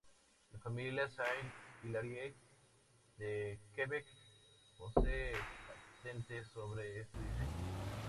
La familia Saint-Hilaire de Quebec posee patentes sobre este diseño.